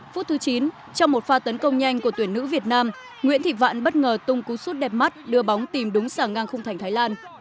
phút thứ chín trong một pha tấn công nhanh của tuyển nữ việt nam nguyễn thị vạn bất ngờ tung cú sút đẹp mắt đưa bóng tìm đúng sàng ngang khung thành thái lan